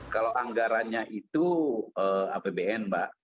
kalau anggarannya itu apbn mbak